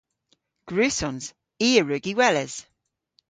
Gwrussons. I a wrug y weles.